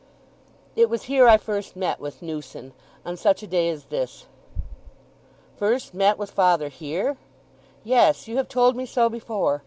"It was here I first met with Newson—on such a day as this." "First met with father here? Yes, you have told me so before.